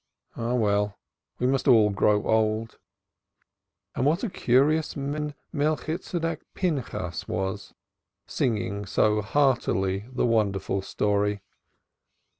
Ah, well; we must all grow old. What a curious man Melchitsedek Pinchas was, singing so heartily the wonderful story.